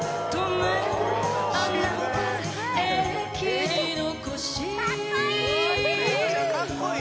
めっちゃかっこいい・